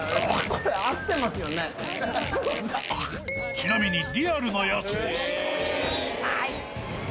ちなみに、リアルなやつです。